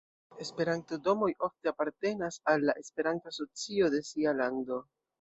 Esperanto-domoj ofte apartenas al la Esperanto-asocio de sia lando.